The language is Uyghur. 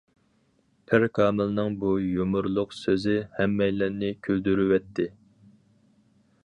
پىركامىلنىڭ بۇ يۇمۇرلۇق سۆزى ھەممەيلەننى كۈلدۈرۈۋەتتى.